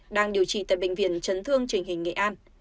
đang điều trị tại bệnh viện chấn thương trình hình nghệ an